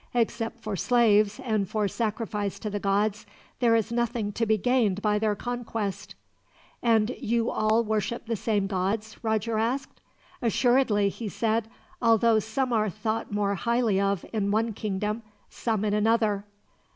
Except for slaves, and for sacrifice to the gods, there is nothing to be gained by their conquest." "And you all worship the same gods?" Roger asked. "Assuredly," he said, "although some are thought more highly of in one kingdom, some in another.